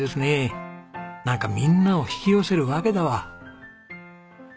なんかみんなを引き寄せるわけだわ。